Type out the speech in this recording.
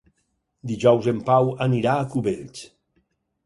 Dijous en Pau anirà a Cubells.